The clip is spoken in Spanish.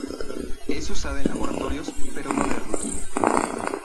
Es usada en laboratorios, pero no de rutina.